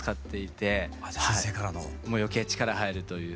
もう余計力入るという。